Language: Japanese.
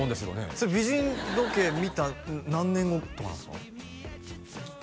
それ美人時計見た何年後とかなんですか？